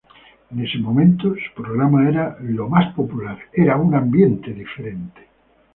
En ese momento, su programa era lo más popular, era un ambiente diferente.